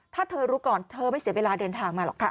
ถ้าเธอรู้ก่อนเธอไม่เสียเวลาเดินทางมาหรอกค่ะ